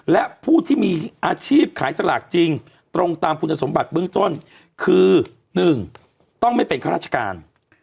และผู้ที่มีอาชีพขายสลากจริงตรงตามคุณสมบัติเบื้องต้นคือ๑ต้องไม่เป็นข้าราชการ